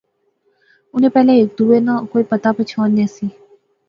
انیں پہلے ہیک دوہے ناں کوئی پتہ پچھان نہسی